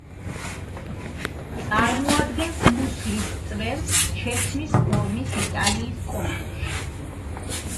წარმოადგენს „ქუსლის წვერს“ ჩექმის ფორმის იტალიის კონტურში.